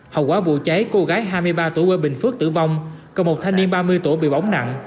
hậu quả vụ cháy cô gái hai mươi ba tuổi quê bình phước tử vong còn một thanh niên ba mươi tuổi bị bỏng nặng